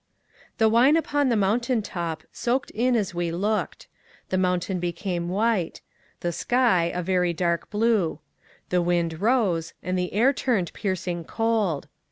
The wine upon the mountain top soaked in as we looked; the mountain became white; the sky, a very dark blue; the wind rose; and the air turned piercing cold.